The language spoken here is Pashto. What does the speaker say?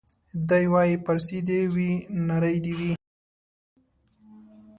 دی وايي پارسۍ دي وي نرۍ دي وي